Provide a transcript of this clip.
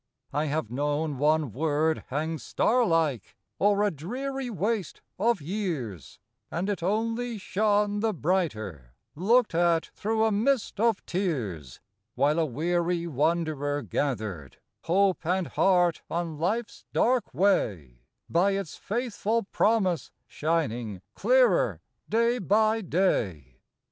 I have known one word hang starlike O'er a dreary waste of years, And it only shone the brighter Looked at through a mist of tears; While a weary wanderer gathered Hope and heart on Life's dark way, By its faithful promise, shining Clearer day by day.